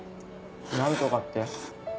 「何とか」って？